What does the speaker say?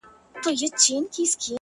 هغه له منځه ولاړ سي!